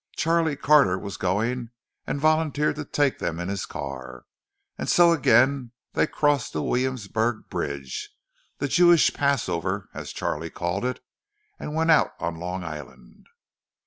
Charlie Carter was going, and volunteered to take them in his car; and so again they crossed the Williamsburg Bridge—"the Jewish passover," as Charlie called it—and went out on Long Island.